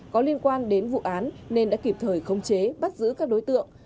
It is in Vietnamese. có liên quan đến vụ án nên đã kịp thời khống chế bắt giữ các đối tượng